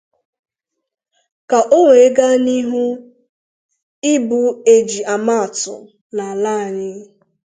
ka o wee gaa n'ihu ịbụ eji ama atụ n'ala anyị